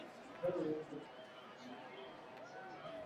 kwa mtiririko huo na tawi la kisheria linalojumuisha